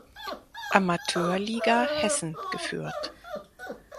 Amateurliga Hessen geführt.